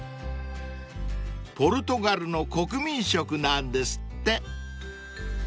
［ポルトガルの国民食なんですって］